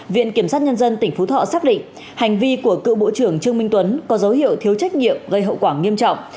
viện kiểm sát nhân dân tỉnh phú thọ xác định hành vi của cựu bộ trưởng trương minh tuấn có dấu hiệu thiếu trách nhiệm gây hậu quả nghiêm trọng